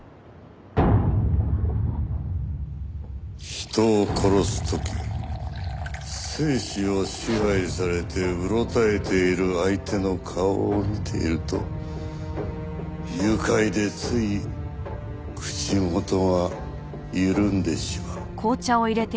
人を殺す時生死を支配されてうろたえている相手の顔を見ていると愉快でつい口元が緩んでしまう。